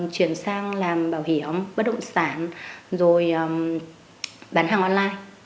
chuyển sang làm bảo hiểm bất động sản rồi bán hàng online